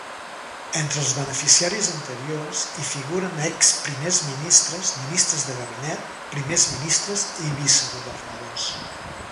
Entre els beneficiaris anteriors hi figuren exprimers ministres, ministres de gabinet, primers ministres i vicegovernadors.